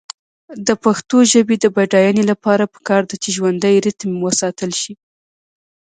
د پښتو ژبې د بډاینې لپاره پکار ده چې ژوندی ریتم وساتل شي.